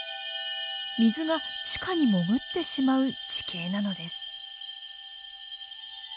水が地下に潜ってしまう地形なのです。